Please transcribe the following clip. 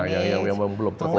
yang belum terkeluar